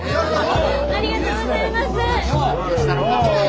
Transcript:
ありがとうございます。